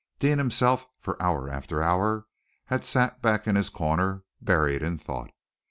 Deane himself, for hour after hour, had sat back in his corner, buried in thought.